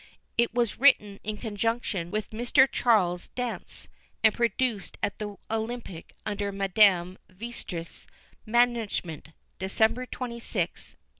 It was written in conjunction with Mr. Charles Dance, and produced at the Olympic under Madame Vestris's management, December 26th, 1836.